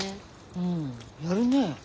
うんやるねえ。